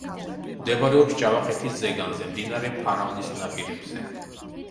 მდებარეობს ჯავხეთის ზეგანზე, მდინარე ფარავნის ნაპირებზე.